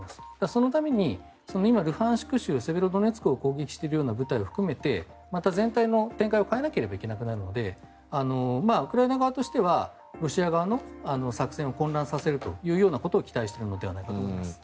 そのために今、ルハンシク州セベロドネツクを攻撃しているような部隊を含めて全体の展開を変えなければいけなくなるのでウクライナ側としてはロシア側の作戦を混乱させるということを期待しているのではないかと思います。